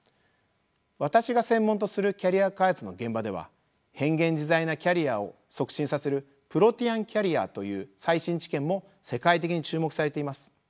私が専門とするキャリア開発の現場では変幻自在なキャリアを促進させるプロティアン・キャリアという最新知見も世界的に注目されています。